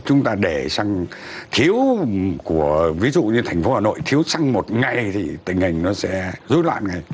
chúng ta để xăng thiếu của ví dụ như thành phố hà nội thiếu xăng một ngày thì tình hình nó sẽ dối loạn ngay